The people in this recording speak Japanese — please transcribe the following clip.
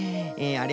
あれ。